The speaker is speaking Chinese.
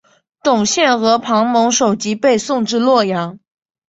董宪和庞萌首级被送至洛阳。